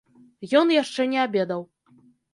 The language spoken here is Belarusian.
Ён яшчэ не абедаў.